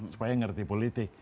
supaya ngerti politik